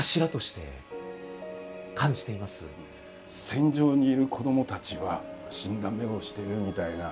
戦場にいる子どもたちは死んだ目をしてるみたいな。